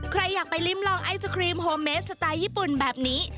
ใครอยากไปริมลองไอศครีมโฮเมสสไตล์ญี่ปุ่นแบบนี้